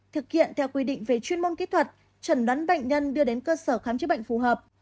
thực hiện theo quy định về chuyên môn kỹ thuật chuẩn đoán bệnh nhân đưa đến cơ sở khám chữa bệnh phù hợp